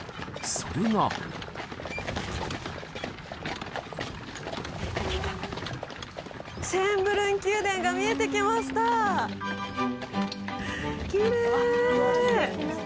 それがシェーンブルン宮殿が見えてきましたきれい！